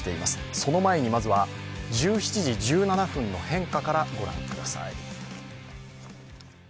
その前にまずは１７時１７分の変化から御覧ください。